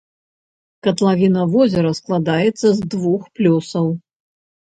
Катлавіна возера складаецца з двух плёсаў.